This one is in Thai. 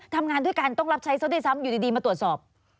ทำงานด้วยกันต้องรับใช้ซะด้วยซ้ำอยู่ดีมาตรวจสอบ